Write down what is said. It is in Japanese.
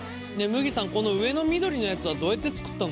むぎさんこの上の緑のやつはどうやって作ったの？